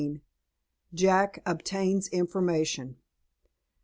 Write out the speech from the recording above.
JACK OBTAINS INFORMATION.